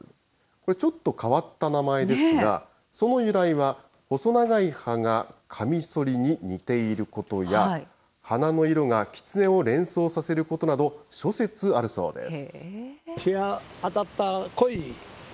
これちょっと変わった名前ですが、その由来は、細長い葉がカミソリに似ていることや、花の色がキツネを連想されることなど、諸説あるそうです。